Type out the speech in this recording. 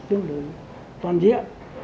tương đối toàn diện